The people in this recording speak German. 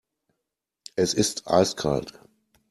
Es ist eiskalt.